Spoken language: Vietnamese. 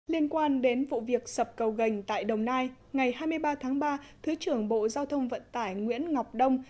liên quan đến vụ việc sập cầu gành tại đồng nai ngày hai mươi ba tháng ba thứ trưởng bộ giao thông vận tải nguyễn ngọc đông